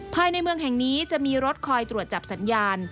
ภายในเมืองแห่งนี้จะมีรถคอยตรวจจับสัญญาณ